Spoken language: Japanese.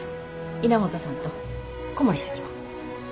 稲本さんと小森さんにも。